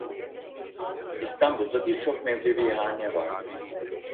İstanbul'da birçok mevlevihane vardı.